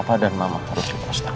pada masa sekarang